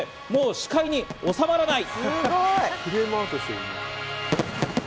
視界に収まらない。